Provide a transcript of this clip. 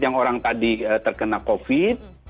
yang orang tadi terkena covid